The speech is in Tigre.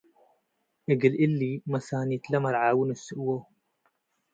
እግል እሊ ለመሳኒትለ መርዓዊ ነስእዎ ።